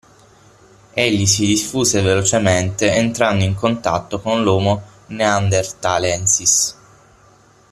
Egli si diffuse velocemente entrando in contatto coll'Homo Neanderthalensis.